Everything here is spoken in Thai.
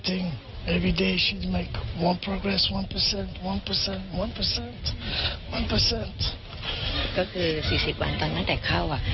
ก็คือ๔๐วันตอนนั้นแต่เข้า